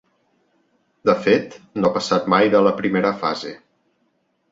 De fet, no ha passat mai de la primera fase.